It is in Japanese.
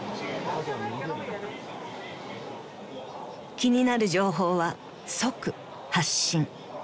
［気になる情報は即発信］